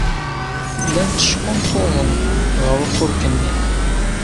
Llan tteckunṭuḍen ɣer ufurk-nni.